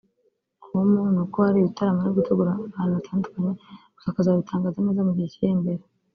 com ni uko hari ibitaramo ari gutegura ahantu hatandukanye gusa akazabitangaza neza mu gihe kiri imbere